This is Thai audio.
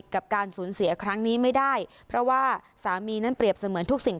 กับการสูญเสียครั้งนี้ไม่ได้เพราะว่าสามีนั้นเปรียบเสมือนทุกสิ่ง